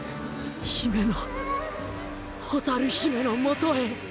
姫の蛍姫のもとへ！